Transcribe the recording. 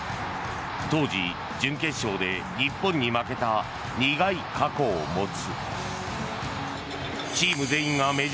当時、準決勝で日本に負けた苦い過去を持つ。